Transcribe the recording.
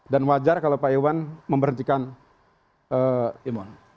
dan wajar kalau pak ewan memberhentikan imon